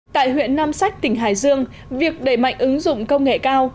tại huyện nam sách tỉnh hải dương việc đẩy mạnh ứng dụng công nghệ cao